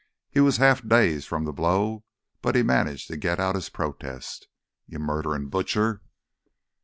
He was half dazed from the blow but he managed to get out his protest. "You murderin' butcher!"